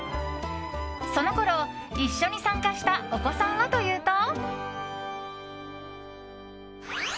そのころ、一緒に参加したお子さんはというと。